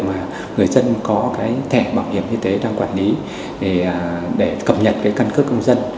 mà người dân có thẻ bảo hiểm y tế đang quản lý để cập nhật căn cước công dân